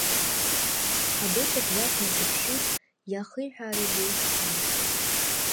Ҳабыџь Абзагә днеиҿаԥшит, иахиҳәаарызеишь ҳәа.